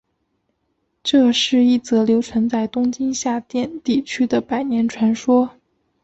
这是一则流传在东京下町地区的百年传说。